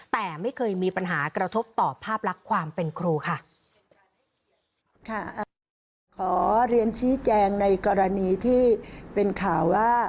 แต่ไม่เคยมีปัญหากระทบต่อภาพลักษณ์ความเป็นครูค่ะ